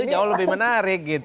itu jauh lebih menarik